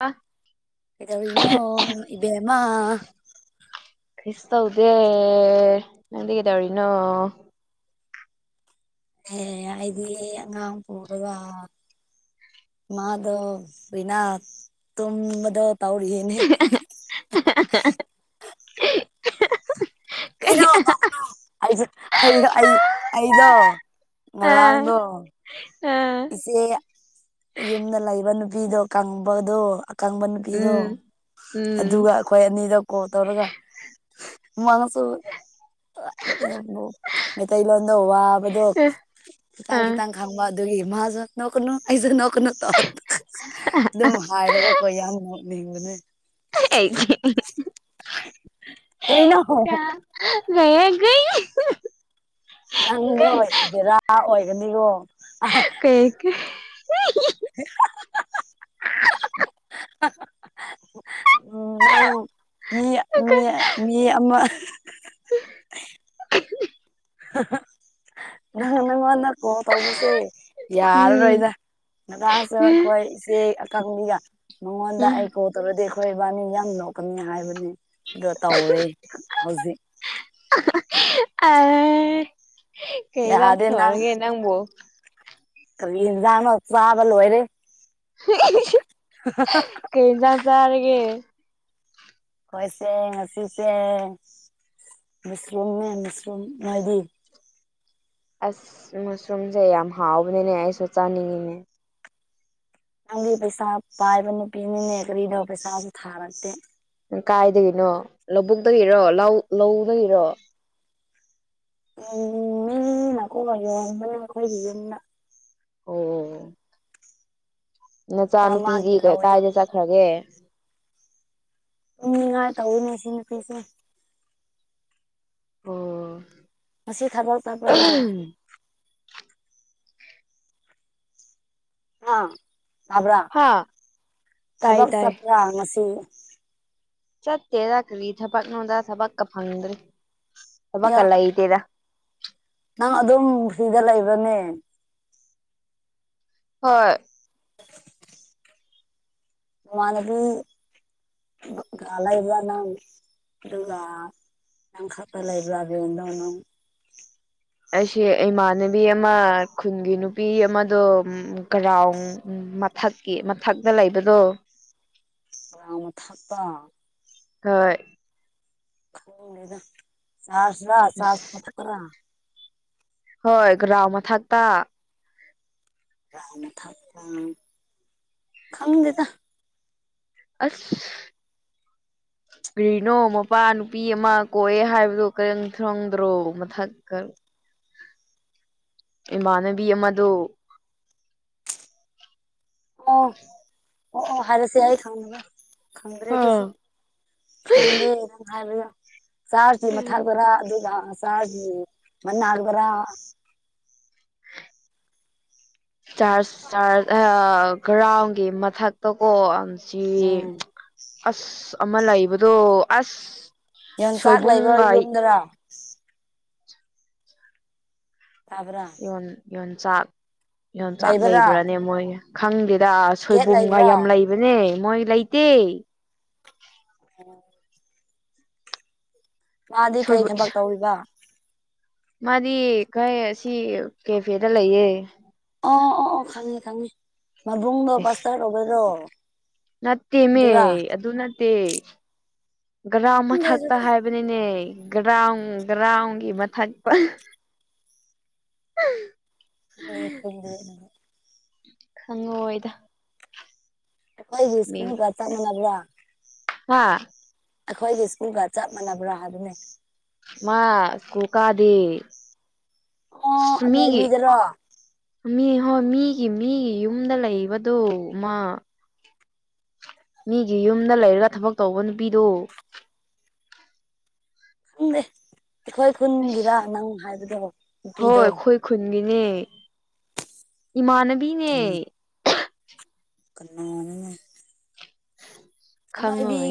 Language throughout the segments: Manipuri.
ꯑ ꯏꯗꯧꯔꯤ ꯏꯅꯣ ꯏꯕꯃ ꯀꯁ ꯇꯧꯗꯦ ꯅꯪꯗꯤ ꯀꯩꯗꯧꯔꯤꯅꯣ ꯑꯦ ꯑꯗꯤ ꯑꯉꯥꯡ ꯄꯔꯒ ꯃꯥꯗ ꯅꯥ ꯇꯝꯕꯗ ꯇꯧꯔꯤ ꯌꯦꯅꯤ ꯅꯅꯗꯣ ꯑꯥ ꯑ ꯏꯆꯦ ꯌꯨꯝꯗ ꯂꯩꯕ ꯅꯨꯄꯤꯗꯣ ꯀꯪꯕꯗꯣ ꯀꯥꯡꯕ ꯅꯨꯄꯤꯗꯣ ꯎꯝ ꯎꯝ ꯑꯗꯨꯒ ꯑꯩꯈꯣꯏ ꯑꯅꯤꯗ ꯀꯣ ꯇꯧꯔꯒ ꯃꯥꯅꯁ ꯃꯦꯇꯩ ꯏꯂꯣꯗ ꯍꯋꯥꯕꯗꯨꯣ ꯑ ꯀꯤꯇꯪ ꯀꯤꯇꯥꯪ ꯀꯩ ꯈꯪꯕ ꯑꯗꯨꯒꯤ ꯃꯥꯁꯨ ꯅꯣꯛꯀꯅꯨ ꯑꯩꯁꯨ ꯅꯣꯛꯀꯅꯨ ꯇꯧ ꯑꯗꯨꯝ ꯍꯥꯏꯔꯒꯀꯣ ꯌꯥꯝ ꯅꯣꯛꯅꯤꯡꯕꯅꯦ ꯑꯩ ꯀꯣꯏꯅ ꯍꯣ ꯀꯒ ꯅꯪꯕꯣꯏ ꯕꯦꯔꯥ ꯑꯣꯏꯒꯅꯤꯀꯣ ꯀꯦ ꯀ ꯍ ꯅꯪ ꯃꯤ ꯃꯤ ꯑꯃ ꯅꯪ ꯅꯉꯣꯟꯗ ꯄꯣ ꯇꯧꯕꯁꯦ ꯌꯥꯔꯔꯣꯏꯗ ꯒꯥꯁꯨ ꯑꯩꯈꯣꯏ ꯏꯆꯦ ꯑꯀꯪꯕꯤꯒ ꯃꯉꯣꯟꯗ ꯑꯩ ꯎꯝ ꯀꯣ ꯇꯧꯔꯗꯤ ꯑꯩꯈꯣꯏ ꯏꯕꯥꯅꯤ ꯌꯥꯝ ꯂꯣꯛꯀꯅꯤ ꯍꯥꯏꯕꯅꯤ ꯑ ꯇꯧꯔꯦ ꯍꯧꯖꯤꯛ ꯑ ꯀꯩ ꯏꯟꯖꯥꯡ ꯌꯥꯗꯦ ꯅꯪ ꯊꯣꯡꯔꯒꯦ ꯅꯪꯕꯨ ꯀꯔꯤꯟ ꯅꯥꯡꯅ ꯆꯥꯕ ꯂꯣꯏꯔꯦ ꯀꯩ ꯇ ꯆꯔꯒꯦ ꯈꯣꯏꯁꯦ ꯉꯥꯁꯤꯁ ꯃꯁ꯭ꯔꯨ ꯃꯤꯁ꯭ꯔ ꯃꯗꯤ ꯑꯁ ꯃꯁꯨꯝꯁꯦ ꯌꯥꯝ ꯍꯥꯎꯕꯅꯤꯅꯦ ꯑꯩꯁꯨ ꯆꯥꯅꯤꯡꯉꯤꯅꯦ ꯅꯪꯒꯤ ꯄꯩꯁꯥ ꯄꯥꯏꯕ ꯅꯨꯄꯤꯅꯤꯅꯦ ꯀ꯭ꯔꯤꯗꯣ ꯄꯩꯁꯥꯁꯨ ꯊꯥꯔꯛꯇꯦ ꯀꯥꯏꯗꯒꯤꯅꯣ ꯂꯧꯕꯨꯛꯇꯒꯤꯔꯣ ꯂꯧ ꯂꯧꯗꯒꯤꯔꯣ ꯎꯝ ꯃꯤ ꯀꯉꯥꯏ ꯌꯣꯕ ꯀꯣꯏ ꯍ ꯑꯣ ꯅꯆꯥ ꯅꯨꯄꯤꯗꯤ ꯆꯥꯝꯃꯒꯤ ꯀ ꯂꯧꯋꯤꯅꯦ ꯀꯥꯏꯗ ꯆꯠꯈ꯭ꯔꯒꯦ ꯎꯨꯝꯅꯤꯡꯉꯥꯏ ꯇꯧꯅꯦ ꯁꯤ ꯅꯨꯄꯤꯁꯦ ꯑꯣ ꯉꯁꯤ ꯈꯕ ꯇꯥꯕ꯭ꯔꯅ ꯑꯥ ꯇꯥꯕ꯭ꯔꯥ ꯍꯥꯥ ꯇꯥꯏ ꯊꯕꯛ ꯇꯥꯏ ꯆꯠꯄ꯭ꯔꯥ ꯉꯁꯤ ꯆꯠꯇꯦꯗ ꯀꯔꯤ ꯊꯕꯛꯉꯗ ꯊꯕꯛꯀ ꯐꯪꯗ꯭ꯔꯔꯤ ꯌꯥ ꯊꯕꯛꯀ ꯂꯩꯇꯦꯗ ꯅꯪ ꯑꯗꯨꯝ ꯁꯤꯗ ꯂꯩꯕꯅꯦ ꯍꯣꯏ ꯃꯃꯅ ꯑꯗꯨ ꯑꯂ ꯏꯂꯅ ꯑꯗꯨꯒꯥ ꯅꯪ ꯈꯥꯄ ꯂꯩꯕꯕꯅꯣ ꯅꯪ ꯑꯩꯁ ꯏꯃꯥꯟꯅꯕꯤ ꯑꯃ ꯈꯨꯟꯒꯤ ꯅꯨꯄꯤ ꯑꯃꯗꯣ ꯀꯔꯥꯎ ꯃꯊꯛꯀꯤ ꯃꯊꯛꯇ ꯂꯩꯕꯗꯣ ꯑ ꯃ ꯊꯥꯛꯄ ꯍꯣꯏ ꯍ ꯆꯔꯁ꯭ꯔ ꯆꯔ꯭ꯔ ꯍꯣꯏ ꯒ꯭ꯔꯥꯎ ꯃꯊꯛꯇ ꯅ ꯊꯛꯄ ꯈꯪꯗꯦꯗ ꯑꯁ ꯀ꯭ꯔꯤꯅꯣ ꯃꯄꯥ ꯅꯨꯄꯤ ꯑꯃ ꯀꯣꯛꯑ ꯍꯥꯏꯕꯗꯨꯣ ꯀꯔꯤ ꯊꯪꯗ꯭ꯔꯣ ꯃꯊꯛ ꯀ [unintelligible] ꯏꯃꯥꯟꯅꯕꯤ ꯑꯃꯗꯣ ꯑꯣ ꯑꯣ ꯑꯣ ꯍꯥꯏꯔ ꯁꯤꯌꯥ ꯑꯩꯈꯡꯗꯚꯩ ꯈꯪꯗ꯭ꯔꯦ ꯑꯗꯨꯁꯨ ꯑꯥ ꯈꯪꯗꯦ ꯑꯗꯨꯝ ꯍꯥꯏꯕꯌꯣ ꯆꯔꯁꯤ ꯃꯊꯕꯔꯥ ꯑꯗꯨꯒ ꯆꯍꯔꯁꯤ ꯃꯟꯅ ꯍꯥꯥꯛꯕꯔꯥ ꯔ ꯆ꯭ꯔꯁ ꯒ꯭ꯔꯥꯎꯟꯒꯤ ꯃꯊꯛ ꯇꯀꯣ ꯁꯤ ꯎꯝ ꯑꯁ ꯑꯃ ꯂꯩꯕꯗꯣ ꯑꯁ ꯌꯣꯡꯆꯥꯛ ꯂꯩꯕ ꯁꯣꯏꯕꯨꯡꯒꯥꯏ ꯌꯨꯝꯗꯔꯥ ꯇꯥꯕ꯭ꯔꯥ ꯌꯣꯟꯆꯥꯛ ꯌꯣꯟꯆꯥꯛ ꯂꯩꯕ꯭ꯔꯥ ꯂꯩꯕ꯭ꯔꯅꯦ ꯃꯣꯏ ꯈꯪꯗꯦꯗ ꯑ ꯒꯦꯠ ꯁꯣꯏꯕꯨꯝꯒ ꯂꯩꯕ꯭ꯔꯥ ꯌꯥꯝ ꯂꯩꯕꯅꯦ ꯃꯣꯏ ꯂꯩꯇꯦ ꯎꯝ ꯃꯥꯗꯤ ꯀꯩ ꯁꯣꯏꯕꯨꯝ ꯊꯕꯛ ꯇꯧꯔꯤꯕ ꯃꯥꯗꯤ ꯀꯣꯏ ꯁꯤ ꯀꯦꯐꯦꯗ ꯂꯩꯌꯦ ꯑ ꯑꯣ ꯑꯣ ꯈꯪꯉꯤ ꯈꯪꯉꯤ ꯃꯕꯨꯡꯗꯣ ꯑꯦꯁ ꯄꯥꯁꯇ ꯇꯧꯕꯔꯣ ꯅꯠꯇꯦꯃꯦ ꯑꯗꯨ ꯅꯠꯇꯦ ꯒ꯭ꯔꯥ ꯈꯪꯗꯦ ꯃꯊꯛꯇ ꯑꯗꯨꯗꯤ ꯍꯥꯏꯕ ꯍꯥꯏꯕꯅꯤꯅꯦ ꯒ꯭ꯔꯥꯎ ꯒ꯭ꯔꯥꯎꯟꯒꯤ ꯃꯊꯛ ꯍ ꯁꯗꯅ [unintelligible] ꯍꯪꯉꯣꯏꯗ ꯑꯩꯈꯣꯏꯒꯤ ꯁꯀꯨꯜꯒ ꯆꯪꯅꯗ꯭ꯔꯥ ꯍꯥ ꯑꯩꯈꯣꯏꯒꯤ ꯁ꯭ꯀꯨꯜꯒ ꯆꯞ ꯃꯥꯟꯅꯕ꯭ꯔꯥ ꯍꯥꯕꯅꯦ ꯃꯥ ꯁꯀꯨ꯭ꯜ ꯀꯥꯗꯦ ꯑꯣ ꯃꯤꯒꯤ ꯑꯅꯣꯏꯕꯤꯗꯔꯣ ꯃꯤ ꯍꯣꯏ ꯃꯤꯒꯤ ꯃꯤꯒꯤ ꯌꯨꯝꯗ ꯂꯩꯕꯗꯨ ꯃꯥ ꯃꯤꯒꯤ ꯌꯨꯝꯗ ꯂꯩꯔꯒ ꯊꯕꯛ ꯇꯧꯕ ꯅꯨꯄꯤꯗꯣ ꯈꯪꯗꯦ ꯑꯩꯈꯣꯏ ꯑꯁ ꯈꯨꯟꯒꯤꯔ ꯅꯪ ꯍꯥꯏꯕꯗ ꯍꯣꯏ ꯑꯩꯈꯣꯏ ꯈꯨꯟꯒꯤꯅꯦ ꯏꯃꯥꯟ [unintelligible] ꯀꯟꯅꯥꯅꯣ [unintelligible] ꯑꯅꯣꯏꯕꯤ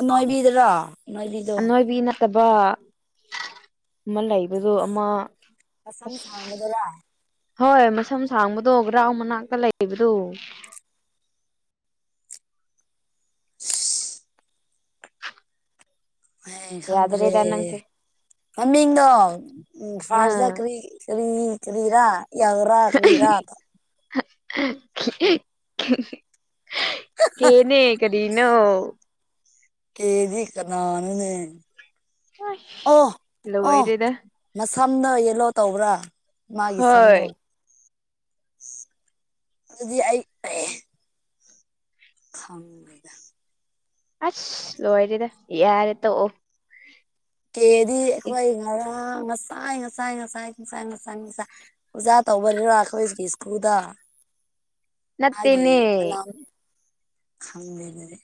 ꯑꯅꯣꯏꯕꯤꯗꯨꯔꯣ ꯑꯅꯣꯏꯕꯤ ꯅꯠꯇꯕ ꯑꯃ ꯂꯩꯕꯗꯣ ꯑꯃ ꯃꯁꯝ ꯑꯁ ꯁꯥꯡꯕꯗꯨꯔꯥ ꯍꯣꯏ ꯃꯁꯝ ꯁꯥꯡꯕꯗꯣ ꯒ꯭ꯔꯥꯎ ꯃꯅꯥꯛꯇ ꯂꯩꯕꯗꯣ [unintelligible] ꯈꯪꯗ꯭ꯔꯦ ꯌꯥꯗ꯭ꯔꯦꯗ ꯅꯪꯁꯦ ꯃꯃꯤꯡꯗꯣ ꯎꯝ ꯐꯥꯔꯁꯇ ꯑꯥ ꯀꯔꯤ ꯀꯔꯤ ꯀꯔꯤꯔꯥ ꯌꯥꯎꯔꯥ ꯀꯔꯤꯔꯥ [unintelligible] ꯀꯦꯅꯦ ꯀꯔꯤꯅꯣ ꯀꯦꯗꯤ ꯀꯅꯥꯅꯣꯅꯦ [unintelligible] ꯑꯣ ꯑꯣ ꯂꯣꯏꯔꯦꯗ ꯃꯁꯝꯗꯣ ꯌꯦꯂꯣ ꯇꯧꯕ꯭ꯔꯥ ꯃꯥꯒꯤ ꯁꯝꯗꯣ ꯍꯣꯏ ꯑꯗꯨꯗꯤ ꯑꯩ ꯁꯥꯎꯅꯤꯡꯈ꯭ꯔꯦꯗ ꯑꯁ ꯂꯣꯏꯔꯦꯗ ꯌꯥꯔꯦ ꯇꯣꯛꯑꯣ ꯀꯦꯗꯤ ꯑꯩꯈꯣꯏ ꯉꯔꯥꯡ ꯉꯁꯥꯏ ꯉꯁꯥꯏ ꯉꯁꯥꯏ ꯉꯁꯥꯏ ꯉꯁꯥꯏ ꯉꯁꯥꯏ ꯑꯣꯖꯥ ꯇꯧꯕꯔꯤꯔꯥ ꯈꯣꯏꯒꯤ ꯁꯀꯨ꯭ꯜꯗ ꯅꯠꯇꯦꯅꯦ ꯈꯪꯗꯦ ꯑꯗꯨꯗꯤ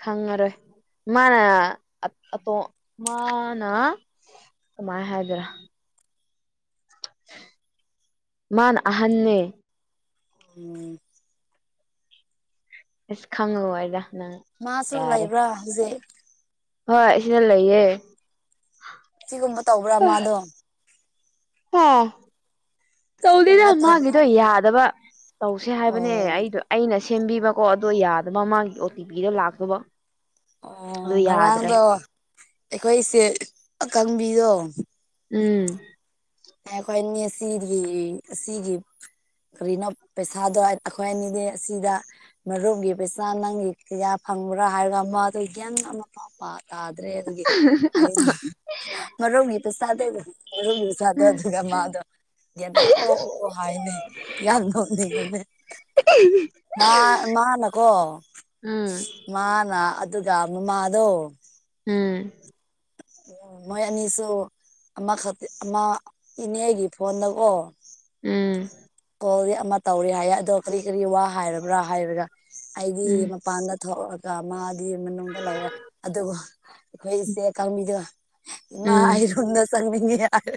ꯈꯪꯉꯔꯣꯏ ꯃꯥꯅ ꯑꯇꯣ ꯃꯥꯅ ꯀꯃꯥꯏ ꯍꯥꯏꯗꯣꯔꯥ ꯃꯥꯅ ꯑꯍꯟꯅꯦ ꯎꯝ ꯑꯁ ꯈꯪꯉꯨ ꯋꯥꯏꯗ ꯅꯪ ꯃꯥꯁꯨ ꯌꯥꯔꯦ ꯂꯩꯕ꯭ꯔꯥ ꯍꯧꯖꯤꯛ ꯍꯣꯏ ꯁꯤꯗ ꯂꯩꯌꯦ ꯁꯤꯒꯨꯝꯕ ꯇꯧꯕ꯭ꯔꯥ ꯃꯥꯗꯣ ꯍꯥ ꯇꯧꯗꯦꯗ ꯑꯁꯤꯒꯨꯝꯕ ꯇꯧꯕ꯭ꯔꯥ ꯃꯥꯒꯤꯗꯣ ꯌꯥꯗꯕ ꯇꯧꯁꯦ ꯍꯥꯏꯕꯅꯦ ꯑꯣ ꯑꯩꯗꯣ ꯑꯩꯅ ꯁꯦꯝꯕꯤꯕꯀꯣ ꯑꯗꯣ ꯌꯥꯗꯕ ꯃꯥꯒꯤ ꯑꯣ ꯇꯤ ꯄꯤꯗꯣ ꯂꯥꯛꯇꯕ ꯑꯣ ꯑꯗꯨ ꯌꯥꯗ꯭ꯔꯦ ꯉꯔꯥꯡꯗꯣ ꯑꯩꯈꯣꯏ ꯏꯁꯦ ꯑꯀꯪꯕꯤꯗꯣ ꯎꯝ ꯑꯦ ꯈꯣꯏ ꯅꯦꯁꯤꯗꯤꯒꯤ ꯁꯤꯒꯤ ꯀꯔꯤꯅꯣ ꯄꯩꯁꯥꯗꯣ ꯑꯩꯈꯣꯏ ꯑꯅꯤꯗꯤ ꯑꯁꯤꯗ ꯃꯔꯨꯞꯒꯤ ꯄꯩꯁꯥ ꯅꯪꯒꯤ ꯀꯌꯥ ꯐꯪꯕ꯭ꯔꯥ ꯍꯥꯏꯔꯒ ꯃꯗꯨ ꯒꯌꯥꯟ ꯑꯃꯐꯥꯎ ꯇꯥ ꯇꯥꯗ꯭ꯔꯦ ꯑꯗꯨꯒꯤ ꯑꯩꯅ ꯃꯣꯔꯣꯛꯃꯦꯠꯄ ꯆꯥꯗꯣ ꯃꯣꯔꯣꯛ [unintelligible] ꯎꯝ ꯑꯗꯨꯒ ꯑꯗꯣ [unintelligible] ꯑꯣ ꯑꯣ ꯑꯣ ꯍꯥꯏꯅꯦ ꯌꯥꯝ ꯅꯣꯛꯅꯤꯕꯅꯦ [inaudible] ꯃꯥ ꯃꯥꯅꯀꯣ ꯎꯝ ꯃꯥꯅ ꯑꯗꯨꯒ ꯃꯃꯥꯗꯣ ꯎꯝ ꯑꯣ ꯃꯣꯏ ꯑꯅꯤꯁꯨꯣ ꯑꯥ ꯑꯃꯥ ꯏꯅꯦꯒ ꯐꯣꯟ ꯅꯀꯣ ꯎꯝ ꯍꯣꯗꯤ ꯑꯃ ꯇꯧꯔꯤꯦ ꯍꯥꯏꯌꯦ ꯑꯗꯣ ꯀꯔꯤ ꯀꯔꯤ ꯋꯥ ꯍꯥꯏꯔꯕ꯭ꯔꯥ ꯍꯥꯏꯔꯒ ꯑꯩꯗꯤ ꯎꯝ ꯃꯄꯥꯟꯗ ꯊꯣꯛꯑꯒ ꯃꯥꯗꯤ ꯃꯅꯨꯡꯗ ꯂꯩꯔꯦ ꯑꯗꯨꯕꯨ ꯑꯩꯈꯣꯏ ꯏꯆꯦ ꯀꯥꯡꯗ ꯃꯥ ꯎꯝ ꯍꯥꯏꯔꯣ ꯅ ꯁꯃꯤꯅꯤ ꯌꯥꯔꯦ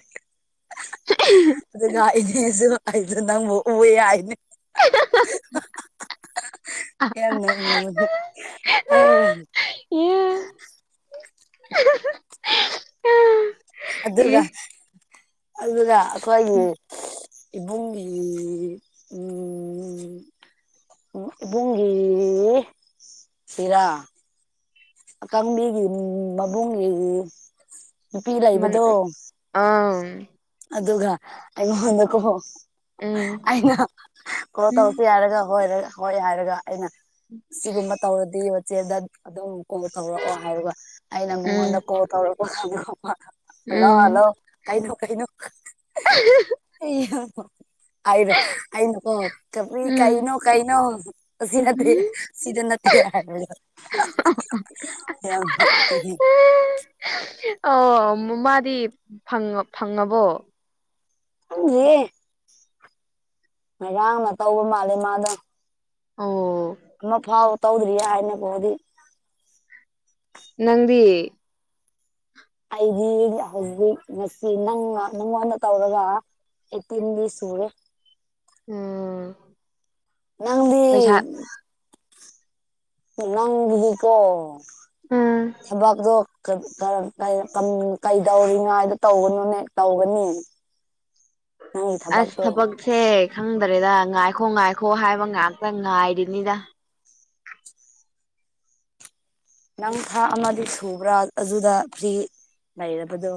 [inaudible] ꯑꯗꯨ ꯉꯥꯏꯅꯦꯁꯨ ꯍꯥꯏꯁ ꯅꯪꯦ ꯍꯥꯏꯩꯅ ꯑꯦꯗ ꯌꯥꯝꯣꯡꯅꯤꯅꯦ ꯑ ꯌꯦ ꯑ ꯑꯗꯨꯒ ꯑꯗꯨꯒ ꯎꯝ ꯑꯩꯈꯒꯤꯜ ꯏꯕꯨꯡ ꯎ ꯨꯡꯒꯤ ꯁꯤꯔꯥ ꯀꯥꯡꯕꯤꯒꯤ ꯃꯕꯨꯡꯒꯤꯒꯤ ꯃ ꯑꯥ ꯑꯗꯨꯒ ꯑꯩꯉꯉꯣꯟꯗ ꯀꯣ ꯎꯝ ꯑꯩꯅ ꯀꯣ ꯇꯧꯁꯤ ꯍꯥꯏꯔꯒ ꯍꯣꯏ ꯍꯣꯏ ꯍꯥꯏꯔꯒ ꯑꯩꯅ ꯁꯤꯒꯨꯝꯕ ꯇꯧꯔꯗꯤ ꯍꯆꯦꯜꯗ ꯑꯗꯨꯝ ꯑꯣ ꯇꯧꯔꯛꯑꯣ ꯍꯥꯏꯔꯒ ꯑꯩꯅ ꯃꯉꯣꯟꯗ ꯀꯣꯜ ꯇꯧꯔꯛꯄ ꯍꯜꯂꯣ ꯍꯜꯂꯣ ꯎꯝ ꯀꯥꯏꯩꯅꯣ ꯀꯩꯅꯣ [inaudible] ꯔ ꯀ ꯎꯝ ꯎꯝ ꯀꯥꯏꯩꯅꯣ ꯀꯥꯏꯩꯅꯣ ꯑꯁꯤ ꯅꯠꯇꯦ ꯁꯤꯗ ꯅꯠꯇꯦ ꯍꯥꯏꯔ ꯌꯥꯝ ꯑꯣ ꯃꯥꯗꯤ ꯐꯪꯉꯕꯣ ꯪꯦ ꯉꯣꯏꯔꯥꯡꯅ ꯇꯧꯕ ꯃꯥꯜꯂꯦ ꯃꯥꯗꯣ ꯑꯣ ꯑꯃ ꯐꯥꯎ ꯇꯧꯗ꯭ꯔꯤꯌꯥ ꯍꯥꯏꯅ ꯐꯣꯗꯤ ꯅꯪꯗꯤꯌꯦ ꯑꯩꯗꯤ ꯍꯧꯖꯤꯛ ꯉꯁꯤ ꯅꯪ ꯅꯪꯉꯣꯟꯗ ꯇꯧꯔꯒ ꯑꯩꯇꯤꯟꯗꯤ ꯁꯨꯔꯦ ꯎꯝ ꯄꯩꯁꯥ ꯅꯪꯗꯤ ꯅꯪꯗꯤꯀꯣ ꯎꯝ ꯊꯕꯥꯥꯛꯗꯣ ꯀꯩꯗꯧꯔꯤꯉꯥꯏꯗ ꯇꯧꯒꯅꯣꯅꯦ ꯇꯧꯒꯅꯤ [inaudible] ꯑꯁ ꯊꯕꯛꯇꯣ ꯊꯕꯛꯁꯦ ꯈꯪꯗ꯭ꯔꯦꯗ ꯉꯥꯏꯈꯣ ꯉꯥꯏꯈꯣ ꯍꯥꯏꯕ ꯉꯥꯛꯇ ꯉꯥꯏꯔꯤꯅꯤꯗ ꯅꯪ ꯊꯥ ꯑꯃꯗꯤ ꯁꯨꯕ꯭ꯔꯥ ꯑꯗꯨꯗ ꯐ꯭ꯔꯤ ꯂꯩꯔꯕꯗꯨ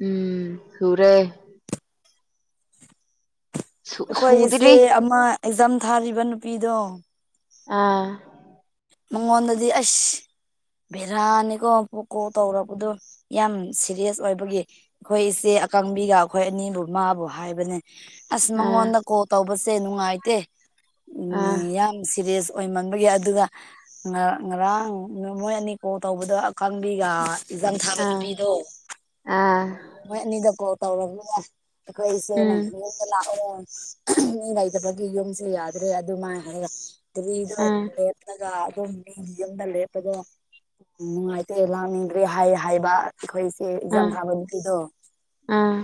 ꯎꯝ ꯁꯨꯔꯦ ꯁꯨ ꯑꯩꯈꯣꯏ ꯏꯆꯦ ꯁꯨꯗ꯭ꯔꯤ ꯑꯃ ꯑꯦꯛꯖꯥꯝ ꯊꯥꯔꯤꯕ ꯅꯨꯄꯤꯗꯣ ꯑꯥ ꯃꯉꯣꯟꯗꯗꯤ ꯑꯁ ꯚꯦꯔꯥꯅꯤꯀꯣ ꯄꯣꯀꯣ ꯇꯧꯔꯕꯗꯨ ꯌꯥꯝ ꯁꯦꯔꯤꯌꯁ ꯑꯣꯏꯕꯒꯤ ꯑꯩꯈꯣꯏ ꯏꯆꯦ ꯑꯀꯪꯕꯤꯒ ꯑꯩꯈꯣꯏ ꯑꯅꯤꯕꯨ ꯃꯥꯕꯨ ꯍꯥꯏꯕꯅꯦ ꯑꯁ ꯑꯥ ꯃꯉꯣꯟꯗ ꯀꯣꯜ ꯇꯧꯕꯁꯦ ꯅꯨꯡꯉꯥꯏꯇꯦ ꯎꯝ ꯑꯥ ꯌꯥꯝ ꯁꯤꯔꯤꯌꯦꯁ ꯑꯣꯏꯃꯟꯕꯒꯤ ꯑꯗꯨꯒ ꯉꯥ ꯉꯔꯥꯡ ꯃꯣꯏ ꯑꯅꯤ ꯀꯣꯜ ꯇꯧꯕꯗꯣ ꯑꯀꯪꯕꯤꯒ ꯑꯦꯛꯖꯥꯝ ꯊꯥꯕ ꯑꯥ ꯅꯨꯄꯤꯗꯣ ꯑꯥ ꯃꯣꯏ ꯑꯅꯤꯗ ꯀꯣꯜ ꯇꯧꯔꯕꯅꯦ ꯎꯝ [unintelligible] ꯃꯤ ꯂꯩꯇꯕꯒꯤ ꯌꯨꯝꯁꯨꯦ ꯌꯥꯗ꯭ꯔꯦ ꯑꯗꯨꯃꯥꯏꯅ ꯍꯥꯏ ꯗꯤꯜꯂꯤꯗ ꯎꯝ ꯑꯗꯨꯝ ꯃꯤ ꯌꯨꯝꯗ ꯂꯦꯞꯄꯗꯣ ꯎꯝ ꯅꯨꯡꯉꯥꯏꯇꯦ ꯂꯥꯛꯅꯤꯡꯒꯔꯦ ꯍꯥꯏ ꯍꯥꯏꯕ ꯑꯩꯈꯣꯏ ꯑꯦ ꯎꯝ ꯑꯦꯛꯖꯥꯝ ꯎꯝ ꯊꯥꯕ ꯅꯨꯄꯤꯗꯣ ꯎꯝ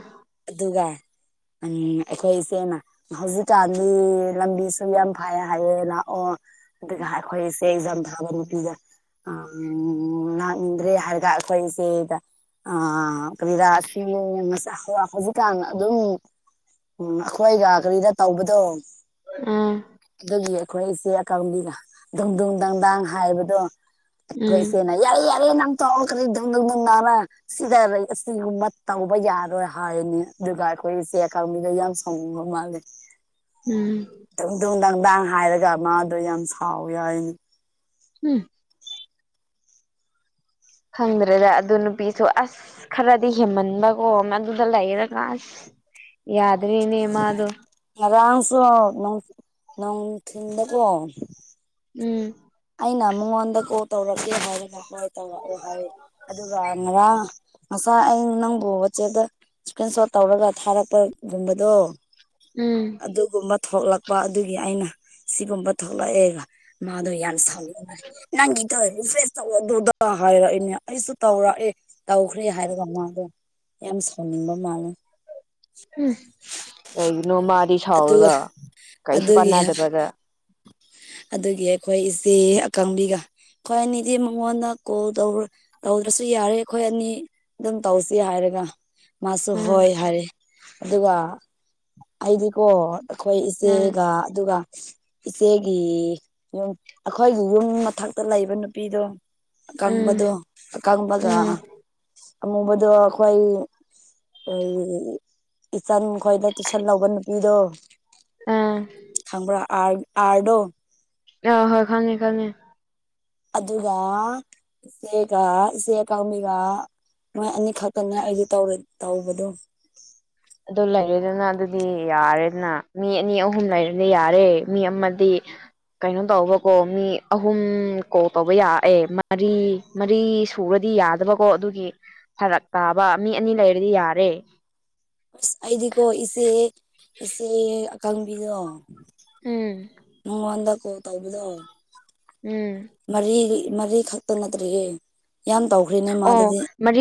ꯑꯗꯨꯒ ꯎꯝ ꯑꯩꯈꯣꯏ ꯏꯆꯦꯅ ꯍꯧꯖꯤꯛꯀꯥꯟꯗꯤ ꯂꯝꯕꯤꯁꯨ ꯑꯗꯨꯝ ꯌꯥꯝ ꯐꯩꯌꯦ ꯍꯥꯏꯌꯦ ꯂꯥꯛꯑꯣ ꯑꯗꯨꯒ ꯑꯩꯈꯣꯏꯁꯦ ꯖꯥꯝ ꯑꯦꯛꯖꯥꯝꯊꯥꯕ ꯅꯨꯄꯤꯒꯥ ꯑꯪ ꯂꯥꯛꯅꯤꯡꯗꯔꯦ ꯍꯥꯏꯔꯒ ꯑꯩꯈꯣꯏꯁꯦ ꯑꯥ ꯀꯔꯤꯔꯥ ꯍꯧꯖꯤꯛꯀꯥꯟ ꯑꯗꯨꯝ ꯎꯝ ꯑꯩꯈꯣꯏꯒ ꯀꯔꯤꯗ ꯇꯧꯕꯗꯣ ꯎꯝ ꯑꯗꯨꯒꯤ ꯑꯩꯈꯣꯏꯁꯦ ꯑꯀꯪꯕꯤꯅ ꯗꯨꯡꯗꯨꯡ ꯗꯥꯡꯗꯥꯡ ꯍꯥꯏꯕꯗꯣ ꯎꯝ [unintelligible] ꯌꯥꯔꯦ ꯌꯥꯔꯦ ꯅꯪ ꯇꯧ ꯀꯔꯤ ꯗꯨꯡꯗꯨꯡ ꯗꯨꯡꯗꯥꯡꯔꯥ ꯁꯤꯗꯥ ꯁꯤꯒꯨꯝꯕ ꯇꯧꯕ ꯌꯥꯔꯣꯏ ꯍꯥꯏꯅꯦ ꯗꯨꯒꯥ ꯑꯩꯈꯣꯏ ꯆꯦ ꯑꯀꯪꯕꯤꯅ ꯌꯥꯝ ꯁꯥꯎꯅꯤꯡꯕ ꯃꯥꯜꯂꯦ ꯎꯝ ꯗꯨꯡꯗꯨꯡ ꯗꯥꯡꯗꯥꯡ ꯍꯥꯏꯔꯒ ꯃꯥꯗꯣ ꯌꯥꯝ ꯁꯥꯎꯒꯤꯋꯥꯅꯤ ꯎꯝ ꯈꯪꯗ꯭ꯔꯦꯗ ꯑꯗꯨ ꯅꯨꯄꯤꯁꯨ ꯑꯁ ꯑꯁ ꯈꯔꯗꯤ ꯍꯦꯟꯃꯟꯕꯀꯣ ꯃꯗꯨꯗ ꯂꯩꯔꯒ ꯑꯁ ꯌꯥꯗ꯭꯭ꯔꯦꯅꯦ ꯃꯥꯗꯣ ꯉꯔꯥꯡꯁꯨ ꯅꯨꯡꯊꯤꯟꯗꯀꯣ ꯎꯝ ꯑꯩꯅ ꯃꯉꯣꯟꯗ ꯀꯣꯜ ꯇꯧꯔꯛꯀꯦ ꯍꯥꯏꯔꯒ ꯍꯣꯏ ꯇꯧꯔꯛꯑꯣ ꯍꯥꯏ ꯑꯗꯨꯒ ꯉꯔꯥꯡ ꯉꯁꯥꯏ ꯑꯩ ꯅꯪꯕꯨ ꯆꯦꯗ ꯏꯁꯀ꯭ꯔꯤꯟ ꯁꯣꯠ ꯇꯧꯔꯒ ꯊꯥꯔꯛꯄꯒꯨꯝꯕꯗꯣ ꯎꯝ ꯑꯗꯨꯒꯨꯝꯕ ꯊꯣꯛꯂꯛ ꯑꯗꯨꯒꯤ ꯑꯩꯅ ꯁꯤꯒꯨꯝꯕ ꯊꯣꯛꯂꯛꯑꯦ ꯃꯥꯗꯣ ꯌꯥꯝ ꯁꯥꯎꯅꯤꯡꯕꯒꯤ ꯍꯥꯏꯔꯛꯏꯅꯦ ꯑꯩꯁꯨ ꯇꯧꯔꯛꯑꯦ ꯇꯧꯈ꯭ꯔꯦ ꯍꯥꯏꯔꯒ ꯃꯥꯗꯣ ꯌꯥꯝ ꯁꯥꯎꯅꯤꯡꯕ ꯃꯥꯜꯂꯦ ꯀꯩꯒꯤꯅꯣꯃꯥꯗꯤ ꯑꯗꯨꯒ ꯁꯥꯎꯔꯒ ꯀꯩꯁꯨ ꯑꯗꯨꯒꯤ ꯀꯥꯟꯅꯗꯕꯗꯥ ꯑꯗꯨꯒꯤ ꯑꯩꯈꯣꯏ ꯏꯆꯦ ꯑꯀꯪꯕꯤꯒ ꯑꯩꯈꯣꯏ ꯑꯅꯤꯗꯤ ꯃꯉꯣꯟꯗ ꯀꯣꯜ ꯇꯧꯗ꯭ꯔꯁꯨ ꯌꯥꯔꯦ ꯑꯩꯈꯣꯏ ꯑꯅꯤ ꯑꯗꯨꯝ ꯇꯧꯁꯤ ꯍꯥꯏꯔꯒ ꯃꯥꯁꯨ ꯎꯝ ꯍꯣꯏ ꯍꯥꯏꯔꯦ ꯑꯗꯨꯒ ꯑꯩꯗꯤꯀꯣ ꯑꯩꯈꯣꯏ ꯎꯝ ꯏꯆꯦꯒ ꯑꯗꯨꯒ ꯏꯆꯦꯒꯤ ꯑꯩꯈꯣꯏꯒꯤ ꯌꯨꯝ ꯃꯊꯛꯇ ꯂꯩꯕ ꯅꯨꯄꯤꯗꯣ ꯎꯝ ꯀꯉꯝꯕꯗꯨ ꯀꯉꯝꯕꯒ ꯎꯝ ꯑꯃꯨꯕꯗꯣ ꯑꯩꯈꯣꯏ ꯏꯆꯟ ꯈꯣꯏ ꯇꯨꯏꯁꯟ ꯂꯧꯕ ꯅꯨꯄꯤꯗꯣ ꯑꯥ ꯈꯪꯕ ꯑꯔꯗꯣ ꯑ ꯍꯣꯏ ꯈꯪꯉꯦ ꯈꯪꯉꯦ ꯑꯗꯨꯒ ꯏꯆꯦꯒ ꯏꯆꯦ ꯀꯥꯡꯃꯤꯒ ꯃꯣꯏ ꯑꯅꯤꯈꯛꯇꯅꯦ ꯑꯩꯗꯤ ꯇꯧꯔ ꯇꯧꯕꯗꯣ ꯑꯗꯨ ꯂꯩꯔꯦꯗꯅ ꯑꯗꯨꯗꯤ ꯌꯥꯔꯦꯗꯅ ꯃꯤ ꯑꯅꯤ ꯑꯍꯨꯝ ꯂꯩꯔꯦꯅ ꯌꯥꯔꯦ ꯃꯤ ꯑꯃꯗꯤ ꯀꯩꯅꯣ ꯇꯧꯕꯀꯣ ꯃꯤ ꯑꯍꯨꯝ ꯀꯣ ꯇꯧꯕ ꯌꯥꯑꯦ ꯃꯔꯤ ꯃꯔꯤ ꯁꯨꯔꯗꯤ ꯌꯥꯗꯕꯀꯣ ꯑꯗꯨꯒꯤ ꯐꯔꯛ ꯇꯥꯕ ꯃꯤ ꯑꯅꯤ ꯂꯩꯔꯗꯤ ꯌꯥꯔꯦ ꯑꯁ ꯑꯩꯗꯤꯀꯣ ꯏꯆꯦ ꯏꯆꯦ ꯑꯀꯪꯕꯤꯗꯣ ꯎꯝ ꯃꯪꯉꯣꯟꯗ ꯀꯣ ꯇꯧꯕꯗꯣ ꯎꯝ ꯃꯔꯤ ꯃꯔꯤꯈꯛꯇ ꯅꯠꯇ꯭ꯔꯒ ꯌꯥꯝ ꯇꯧ ꯑꯣ ꯃꯔꯤ